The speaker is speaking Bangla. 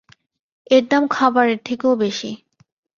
এর দাম খাবারের থেকেও বেশি।